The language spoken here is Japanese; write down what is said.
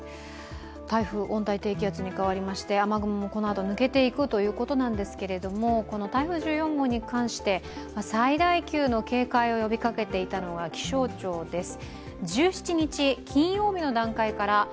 台風温帯低気圧に変わりまして、雨雲もこのあと抜けていくということですがこの台風１４号に関して最大級の警戒を呼びかけていたのは気象庁です。